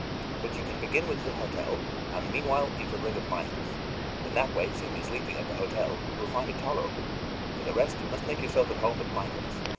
But you can begin with the hotel, and meanwhile you can live at my house. In that way simply sleeping at the hotel you will find it tolerable. For the rest, you must make yourself at home at my place.